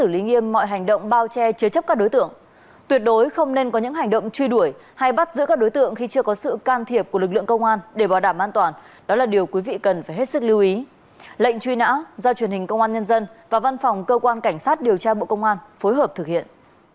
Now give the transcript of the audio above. lệnh truy nã do truyền hình công an nhân dân và văn phòng cơ quan cảnh sát điều tra bộ công an phối hợp thực hiện